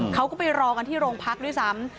เขาก็ไปรอกันที่โรงพักด้วยซ้ำ